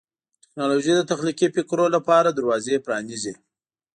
ټیکنالوژي د تخلیقي فکرونو لپاره دروازې پرانیزي.